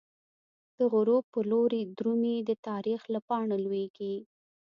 دغروب په لوری درومی، د تاریخ له پاڼو لویږی